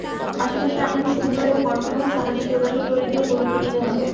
পাশাপাশি আপনাকে সুন্দর এবং অর্থবহ সামাজিক যোগাযোগ তৈরিতেও গুরুত্ব দিতে হবে।